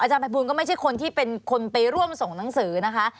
ภัยบูลก็ไม่ใช่คนที่เป็นคนไปร่วมส่งหนังสือนะคะ